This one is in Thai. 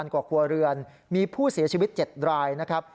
กว่าครัวเรือนมีผู้เสียชีวิต๗รายนะครับ